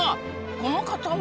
この方は？